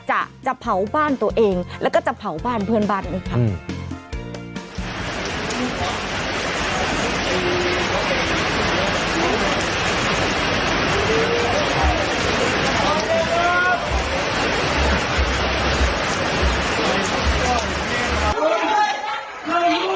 จะเผาบ้านตัวเองแล้วก็จะเผาบ้านเพื่อนบ้านด้วยค่ะ